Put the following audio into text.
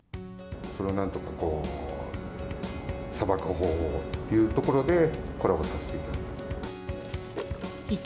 なんとかさばく方法をというところで、コラボさせていただいた。